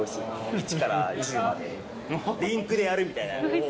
１から１０までリンクでやるみたいな。